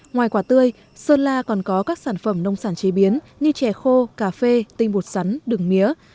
ngoài quả tươi sơn la còn có các sản phẩm nông sản chế biến như chè khô cà phê tinh bột sắn đường mía